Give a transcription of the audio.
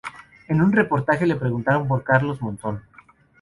En un reportaje le preguntaron por Carlos Monzón.